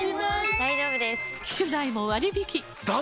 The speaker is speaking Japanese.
大丈夫です！